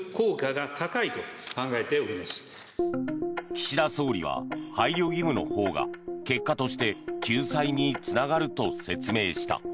岸田総理は配慮義務のほうが結果として救済につながると説明した。